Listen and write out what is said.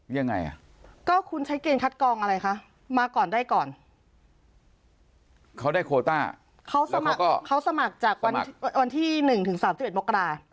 ยังไงอ่ะก็คุณใช้เกณฑ์คัดกองอะไรคะมาก่อนได้ก่อนเขาได้โคต้าเขาสมัครเขาสมัครจากวันที่๑ถึง๓๑มกรา